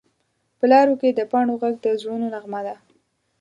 په لارو کې د پاڼو غږ د زړونو نغمه ده